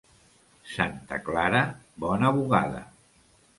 Santa Clara, bona bugada.